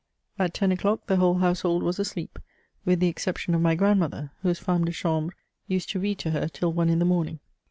At ten o'clock, the whole household was asleep, with the exception of my grand mother, whose femme de chambre used to read to her till one in the morning.